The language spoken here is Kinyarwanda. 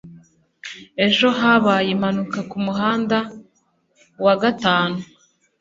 Ejo habaye impanuka kumuhanda wa gatanu